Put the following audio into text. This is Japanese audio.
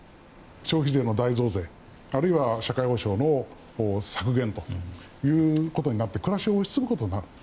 消費税の大増税、あるいは社会保障の削減ということになって暮らしを押し潰すことになる。